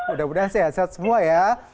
udah udah sehat sehat semua ya